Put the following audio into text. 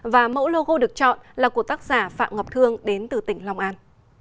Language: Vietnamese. và mẫu logo được chọn là của tác giả phạm ngọc thương đến từ tỉnh long an